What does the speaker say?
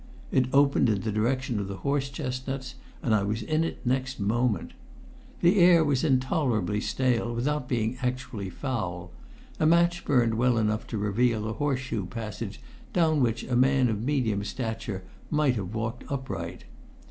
It opened in the direction of the horse chestnuts, and I was in it next moment. The air was intolerably stale without being actually foul; a match burnt well enough to reveal a horseshoe passage down which a man of medium stature might have walked upright.